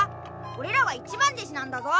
俺らは一番弟子なんだぞ。